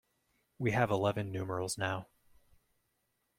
We have eleven numerals now.